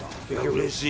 うれしい！